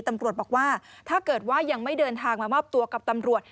ตำรวจบอกว่าถ้าเกิดว่ายังไม่เดินทางมามอบตัวกับตำรวจ